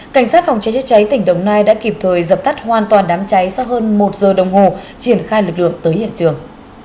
cảnh sát phòng cháy chữa cháy tỉnh đồng nai đã kịp thời dập tắt hoàn toàn đám cháy sau hơn một giờ đồng hồ triển khai lực lượng tới hiện trường